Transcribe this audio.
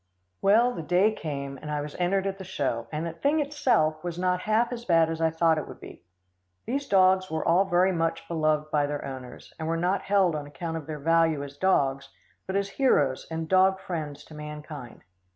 Well, the day came, and I was entered at the show, and the thing itself was not half as bad as I thought it would be. These dogs were all very much beloved by their owners, and were not held on account of their value as dogs, but as heroes and dog friends to mankind.